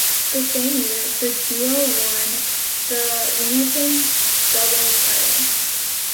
That same year, the duo won the Wimbledon doubles title.